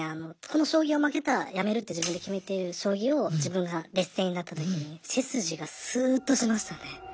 この将棋を負けたらやめるって自分で決めている将棋を自分が劣勢になった時に背筋がスーッとしましたね。